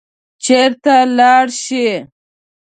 چېرته لاړ شي.